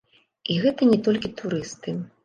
І гэта не толькі турысты.